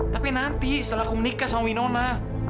tapi nanti setelah aku menikah sama winona